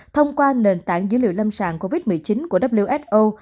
thông qua nền tảng dữ liệu lâm sàng covid một mươi chín của who